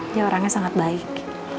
dia orangnya sangat baik